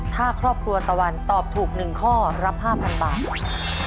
ถ้าครอบครัวตะวันตอบถูก๑ข้อรับ๕๐๐บาท